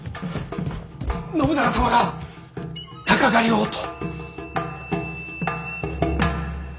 信長様が鷹狩りをと！